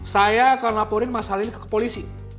saya akan laporin masalah ini ke polisi